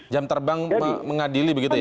jam terbang mengadili begitu ya